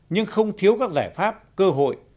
nhưng không thiếu các giải pháp cơ hội